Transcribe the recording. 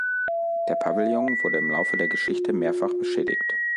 Der Pavillon wurde im Laufe der Geschichte mehrfach beschädigt.